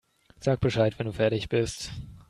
Sag Bescheid, wenn du fertig bist.